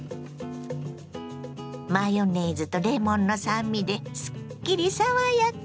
マヨネーズとレモンの酸味ですっきり爽やか。